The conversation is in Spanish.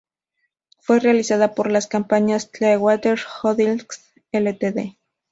Fue realizada por las compañías Clearwater Holdings Ltd.